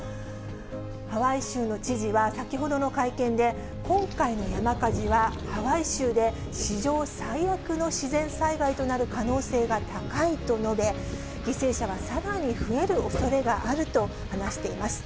ハワイ州の知事は先ほどの会見で、今回の山火事は、ハワイ州で史上最悪の自然災害となる可能性が高いと述べ、犠牲者はさらに増えるおそれがあると話しています。